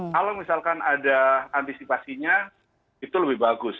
kalau misalkan ada antisipasinya itu lebih bagus